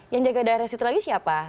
yang jaga daerah situ lagi siapa